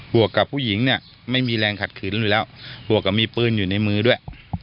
วกกับผู้หญิงเนี่ยไม่มีแรงขัดขืนอยู่แล้วบวกกับมีปืนอยู่ในมือด้วย